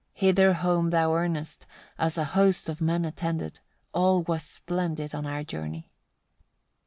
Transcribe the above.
Hither home thou earnest, us a host of men attended; all was splendid on our journey.